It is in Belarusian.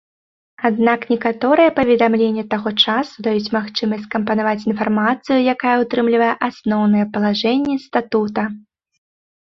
Аднак некаторыя паведамленні таго часу даюць магчымасць скампанаваць інфармацыю, якая ўтрымлівае асноўныя палажэнні статута.